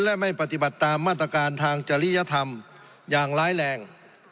และไม่ปฏิบัติตามมาตรการทางจริยธรรมอย่างร้ายแรง